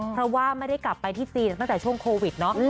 เพราะว่าไม่ได้กลับไปที่จีนตั้งแต่ช่วงโควิดเนาะ